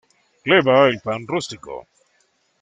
Le va el pan rústico.